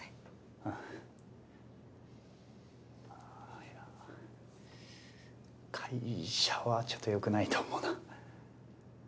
あいや会社はちょっとよくないと思うな。